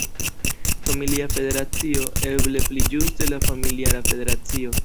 Familia Federacio, eble pli ĝuste la Familiara Federacio.